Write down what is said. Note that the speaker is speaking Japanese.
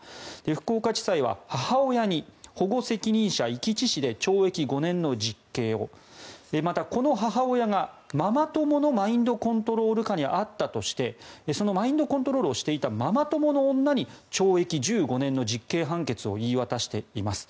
福岡地裁は母親に保護責任者遺棄致死で懲役５年の実刑をまた、この母親がママ友のマインドコントロール下にあったとしてそのマインドコントロールをしていたママ友の女に懲役１５年の実刑判決を言い渡しています。